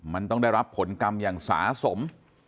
มันต้องได้รับผลกรรมอย่างสาสม